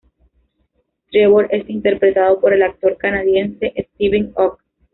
Trevor es interpretado por el actor canadiense Steven Ogg.